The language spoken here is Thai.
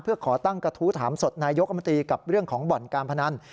เพื่อขอตั้งกระทู้ถามสดนายกรมตรีกับเรื่องของบ่อนการพนัน